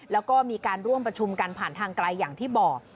แล้วก็มีการร่วมประชุมกันผ่านทางไกลอย่างที่บอก